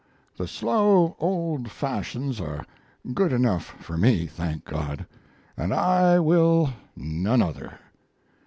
The slow old fashions are good enough for me, thank God, and I will none other.